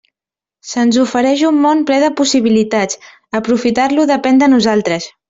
Se'ns ofereix un món ple de possibilitats; aprofitar-lo depèn de nosaltres.